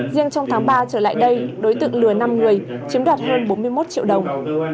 riêng trong tháng ba trở lại đây đối tượng lừa năm người chiếm đoạt hơn bốn mươi một triệu đồng